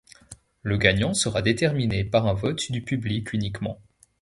Le gagnant sera déterminé par un vote du public uniquement.